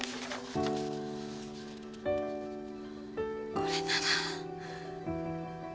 これなら。